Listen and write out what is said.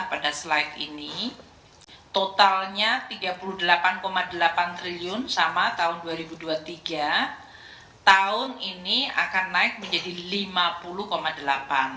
pada slide ini totalnya rp tiga puluh delapan delapan triliun sama tahun dua ribu dua puluh tiga tahun ini akan naik menjadi rp lima puluh delapan triliun